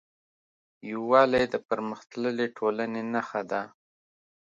یووالی د پرمختللې ټولنې نښه ده.